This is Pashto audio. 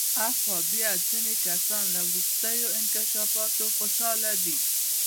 آخوا بیا ځینې کسان له وروستیو انکشافاتو خوشحاله دي.